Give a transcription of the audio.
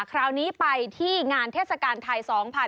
คราวนี้ไปที่งานเทศกาลไทย๒๕๖๒